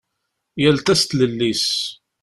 Yal ta s tlelli-s.